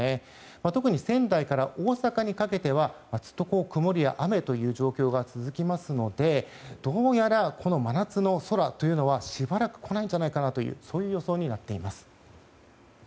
特に仙台から大阪にかけてはずっと曇りや雨という状況が続きますのでどうやら真夏の空というのはしばらく来ないんじゃないかなという予想になっています。